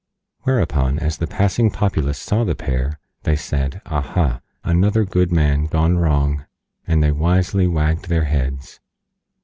Whereupon, as the Passing Populace saw the pair, they said: "Aha! Another good man gone wrong," and they Wisely Wagged their Heads.